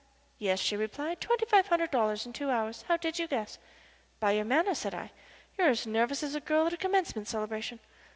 "Yes," she replied. "Twenty five hundred dollars in two hours. How did you guess?" "By your manner," said I. "You are as nervous as a young girl at a commencement celebration.